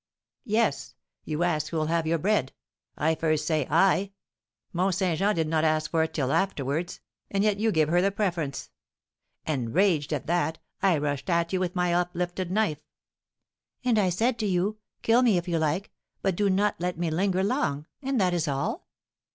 "Yes, you ask who'll have your bread. I first say I. Mont Saint Jean did not ask for it till afterwards, and yet you give her the preference. Enraged at that, I rushed at you with my uplifted knife " "And I said to you, 'Kill me, if you like, but do not let me linger long,' and that is all."